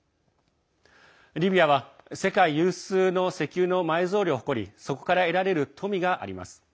リビアは世界有数の石油の埋蔵量を誇りそこから得られる富があります。